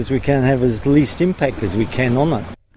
dan memiliki impact yang paling kurang